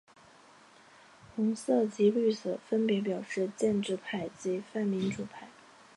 红色及绿色分别表示建制派及泛民主派。